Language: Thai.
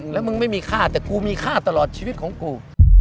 แล้วมึงไม่มีค่าแต่กูมีค่าตลอดชีวิตของกู